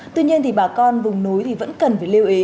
tuy nhiên thì bà con vùng núi thì vẫn cần phải lưu ý